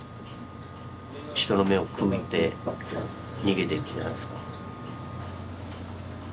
人の目をくぐって逃げていくんじゃないですか？